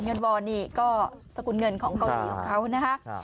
เงินบ่อนนี่ก็สกุลเงินของเกาหลีของเขานะครับ